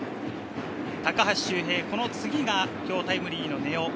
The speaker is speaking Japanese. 高橋周平、この次が今日、タイムリーの根尾。